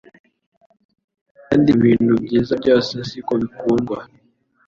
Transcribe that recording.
Kandi ibintu byiza byose siko bikundwa